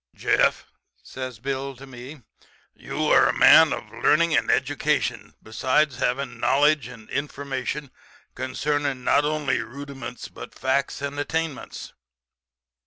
"] "'Jeff,' says Bill to me, 'you are a man of learning and education, besides having knowledge and information concerning not only rudiments but facts and attainments.'